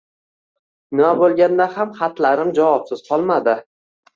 Nima bo’lganda ham xatlarim javobsiz qolmadi.